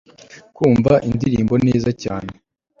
kumva indirimbo neza cyane